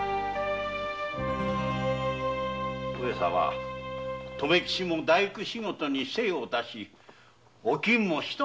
上様留吉も大工仕事に精を出しおきんも一安心とか。